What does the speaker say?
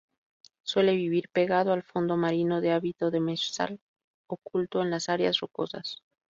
Suele vivir pegado al fondo marino, de hábito demersal, oculto en las áreas rocosas.